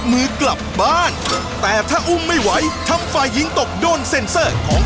และจะบวกเพิ่มตามเวลาที่ฝ่ายหญิงเปิดแผ่นป้ายได้